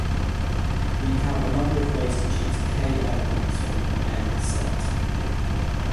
We count the number of ways to choose "k" elements from an "n"-set.